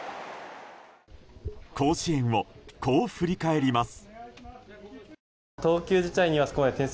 甲子園をこう振り返ります。